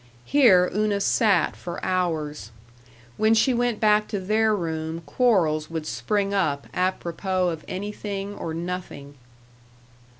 Here Una sat for hours. When she went back to their room quarrels would spring up apropos of anything or nothing.